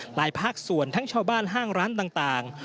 ภาคส่วนทั้งชาวบ้านห้างร้านต่าง